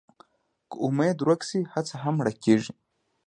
که امېد ورک شي، هڅه هم مړه کېږي.